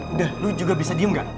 udah lu juga bisa diem gak